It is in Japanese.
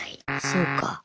そうか。